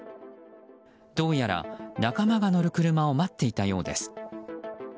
どうやら仲間が乗る車を待っていたようです。